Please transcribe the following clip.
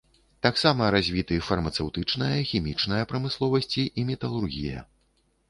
Таксама развіты фармацэўтычная, хімічная прамысловасці і металургія.